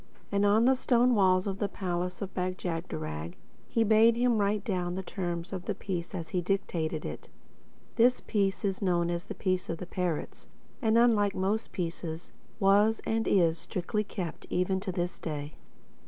And on the stone walls of the palace of Bag jagderag he bade him write down the terms of the peace as he dictated it. This peace is known as The Peace of The Parrots, and—unlike most peaces—was, and is, strictly kept—even to this day.